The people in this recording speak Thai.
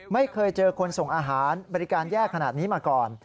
ไม่เคยเจอคนส่งอาหารบริการแย่ขนาดนี้มาก่อน